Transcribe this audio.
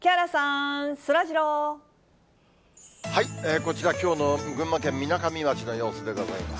こちら、きょうの群馬県みなかみ町の様子でございます。